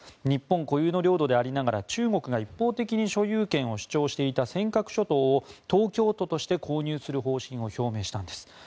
日本固有の領土でありながら中国が一方的に所有権を主張していた尖閣諸島を東京都として購入する方針を表明したんです。